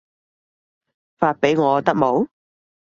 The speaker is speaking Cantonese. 發畀我得冇